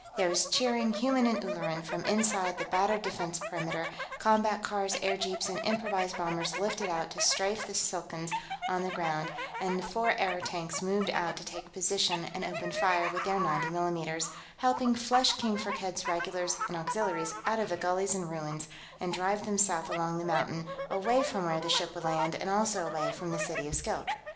There was cheering, human and Ulleran, from inside the battered defense perimeter; combat cars, airjeeps, and improvised bombers lifted out to strafe the Skilkans on the ground, and the four airtanks moved out to take position and open fire with their 90 mm's, helping to flush King Firkked's regulars and auxiliaries out of the gullies and ruins and drive them south along the mountain, away from where the ship would land and also away from the city of Skilk.